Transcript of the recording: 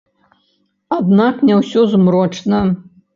Аднак не ўсё змрочна.